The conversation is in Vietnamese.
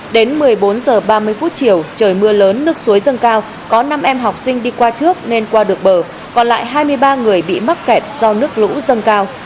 đến một mươi bốn h ba mươi phút chiều trời mưa lớn nước suối dâng cao có năm em học sinh đi qua trước nên qua được bờ còn lại hai mươi ba người bị mắc kẹt do nước lũ dâng cao